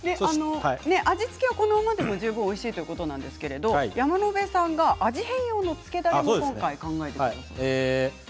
味付けはこのままでも十分おいしいということですが山野辺さんが味変用のつけだれも考えてくださいました。